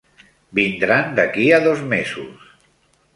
Vindran d'aquí a dos mesos.